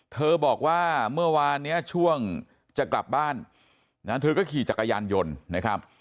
เธอบอกว่าเมื่อวานนี้ช่วงจะกลับบ้านนะเธอก็ขี่จักรยานยนต์นะครับ